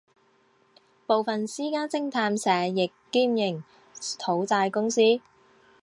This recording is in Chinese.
部份私家侦探社亦兼营讨债公司。